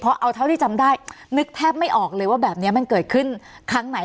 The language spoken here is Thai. เพราะเอาเท่าที่จำได้นึกแทบไม่ออกเลยว่าแบบนี้มันเกิดขึ้นครั้งไหน